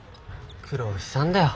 苦労したんだよ